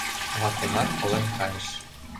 Ватемат колен кайыш.